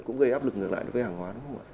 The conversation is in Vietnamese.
cũng gây áp lực ngược lại với hàng hóa